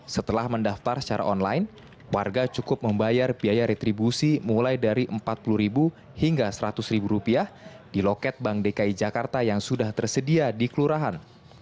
setelah mendaftar secara online warga cukup membayar biaya retribusi mulai dari rp empat puluh hingga rp seratus di loket bank dki jakarta yang sudah tersedia di kelurahan